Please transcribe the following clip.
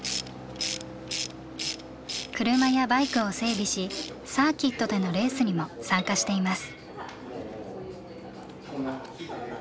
車やバイクを整備しサーキットでのレースにも参加しています。